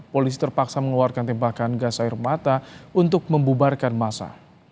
polisi terpaksa mengeluarkan tembakan gas air mata untuk membubarkan masa